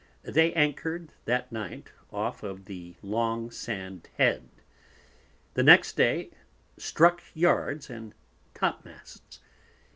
They anchored that Night off of the Long sand head. The next Day struck Yards and Top Masts.